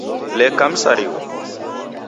Leka msarigho.